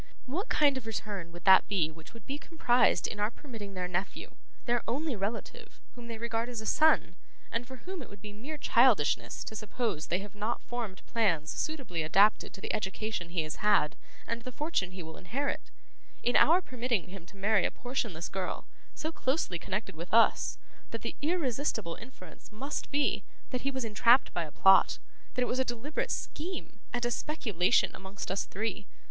What kind of return would that be which would be comprised in our permitting their nephew, their only relative, whom they regard as a son, and for whom it would be mere childishness to suppose they have not formed plans suitably adapted to the education he has had, and the fortune he will inherit in our permitting him to marry a portionless girl: so closely connected with us, that the irresistible inference must be, that he was entrapped by a plot; that it was a deliberate scheme, and a speculation amongst us three?